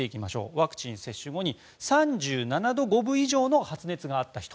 ワクチン接種後に３７度５分以上の発熱があった人。